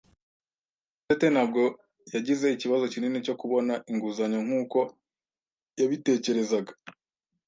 Murekatete ntabwo yagize ikibazo kinini cyo kubona inguzanyo nkuko yabitekerezaga.